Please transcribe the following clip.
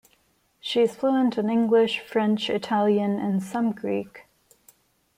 She is fluent in English, French, Italian and some Greek.